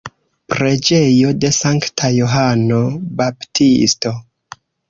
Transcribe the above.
Preĝejo de Sankta Johano Baptisto.